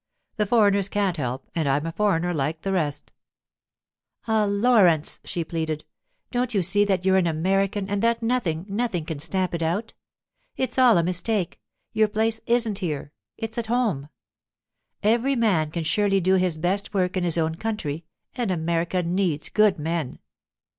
The foreigners can't help, and I'm a foreigner like the rest.' 'Ah, Laurence,' she pleaded, 'don't you see that you're an American, and that nothing, nothing can stamp it out? It's all a mistake; your place isn't here—it's at home. Every man can surely do his best work in his own country, and America needs good men.